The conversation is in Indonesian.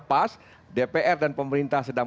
pas dpr dan pemerintah sedang